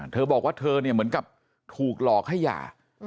เธอบอกว่าเธอเนี่ยเหมือนกับถูกหลอกให้หย่า